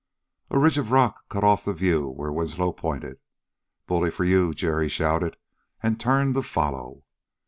A ridge of rock cut off the view where Winslow pointed. "Bully for you!" Jerry shouted and turned to follow.